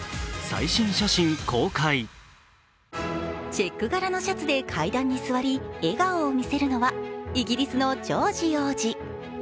チェック柄のシャツで階段に座り笑顔を見せるのはイギリスのジョージ王子。